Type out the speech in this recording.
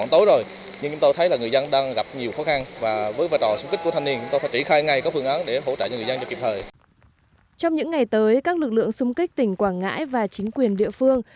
trong những ngày tới các lực lượng xung kích tỉnh quảng ngãi và chính quyền địa phương